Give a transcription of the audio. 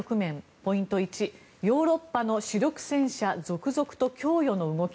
ポイント１ヨーロッパの主力戦車続々と供与の動き。